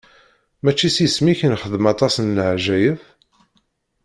Mačči s yisem-ik i nexdem aṭas n leɛǧayeb?